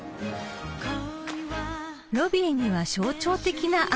［ロビーには象徴的なアートが］